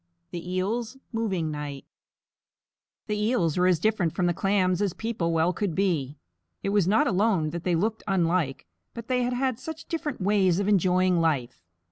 THE EELS' MOVING NIGHT The Eels were as different from the Clams as people well could be. It was not alone that they looked unlike, but that they had such different ways of enjoying life.